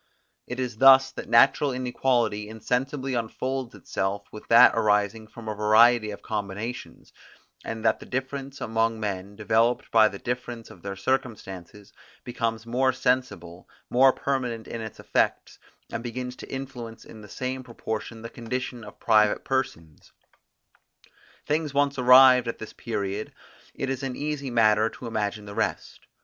It is thus that natural inequality insensibly unfolds itself with that arising from a variety of combinations, and that the difference among men, developed by the difference of their circumstances, becomes more sensible, more permanent in its effects, and begins to influence in the same proportion the condition of private persons. Things once arrived at this period, it is an easy matter to imagine the rest.